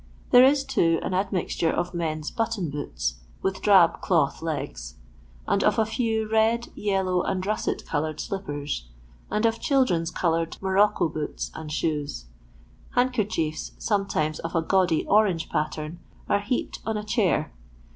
There is, too, an admixture of men's " button boots" with drab cloth legs ; and of a few red, yellow, and russet coloured slippers ; and of children's coloured mo rocco boots and shoes. Handkerchiefs, sometimes of a gaudy orange pattern, are heaped on a chair.